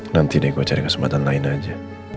nanti deh gue cari kesempatan lain aja